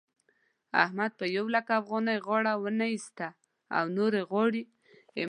احمد په يو لک افغانۍ غاړه و نه اېسته او نورې غواړي.